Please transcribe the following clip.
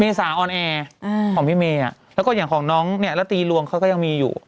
สาออนแอร์ของพี่เมย์แล้วก็อย่างของน้องเนี่ยแล้วตีลวงเขาก็ยังมีอยู่